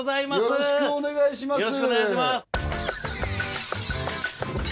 よろしくお願いします